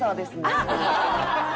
あっ！